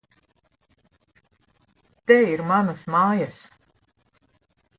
Te ir manas mājas!